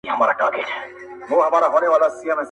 د شيدو سوی، مستې پوکي.